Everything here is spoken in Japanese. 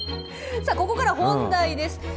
ここから本題です。